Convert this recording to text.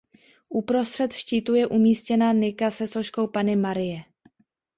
Uprostřed štítu je umístěna nika se soškou Panny Marie.